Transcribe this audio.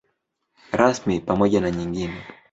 Rasmi pamoja na nyingine.